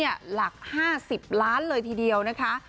เป็นหนี้แบกเอาไว้หลัก๕๐ล้านเลยทีเดียวนะคะ